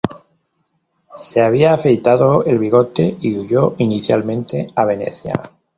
Se había afeitado el bigote y huyó inicialmente a Venecia.